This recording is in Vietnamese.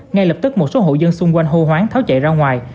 ngay lập tức một số hộ dân xung quanh hô hoáng tháo chạy ra ngoài